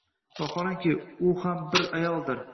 Vaholanki, u ham bir ayoldir.